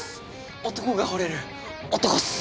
男がほれる男っす。